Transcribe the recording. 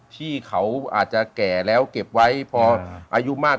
ที่เขาอาจจะแก่แล้วเก็บไว้พออายุมาก